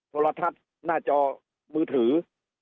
สละทัดหน้าจอมือถือ